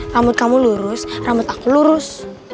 ramad kamu lurus ramad aku lurus